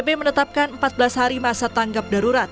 bpb menetapkan empat belas hari masa tanggap darurat